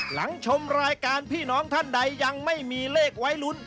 หลังชมรายการพี่น้องท่านใดยังไม่มีเลขไว้ลุ้น